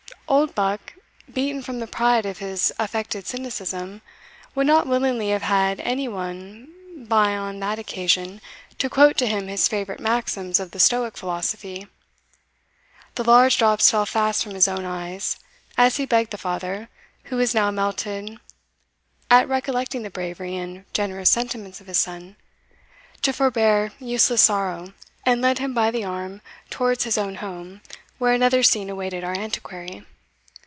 Oldbuck, beaten from the pride of his affected cynicism, would not willingly have had any one by on that occasion to quote to him his favourite maxims of the Stoic philosophy. The large drops fell fast from his own eyes, as he begged the father, who was now melted at recollecting the bravery and generous sentiments of his son, to forbear useless sorrow, and led him by the arm towards his own home, where another scene awaited our Antiquary.